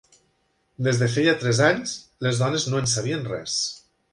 Des de feia tres anys, les dones no en sabien res.